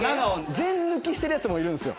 全抜きしてるヤツもいるんですよ。